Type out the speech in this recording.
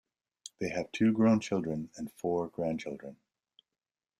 They have two grown children and four grandchildren.